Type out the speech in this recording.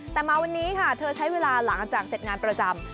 แต่มาวันนี้ค่ะเธอใช้เวลาหลังจากเสร็จงานประจำ